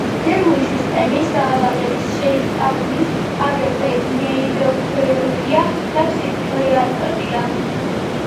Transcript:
ნერვული სისტემის დაავადებებს შეისწავლის აგრეთვე ნეიროქირურგია და ფსიქიატრია.